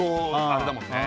あれだもんね